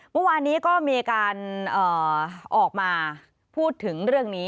เมื่อวานนี้ก็มีการออกมาพูดถึงเรื่องนี้